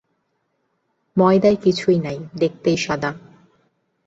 ময়দায় কিছুই নাই, দেখতেই সাদা।